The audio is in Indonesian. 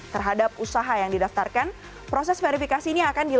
terhadap usaha yang didaftarkan proses verifikasi ini akan dilakukan